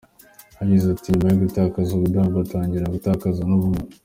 Yagize ati “Nyuma yo gutakaza ubudahangarwa, batangira gutakaza n’ubumuntu.